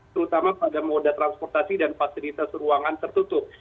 terutama pada moda transportasi dan fasilitas ruangan tertutup